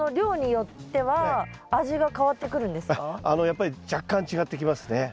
やっぱり若干違ってきますね。